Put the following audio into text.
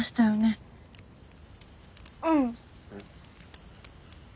うん。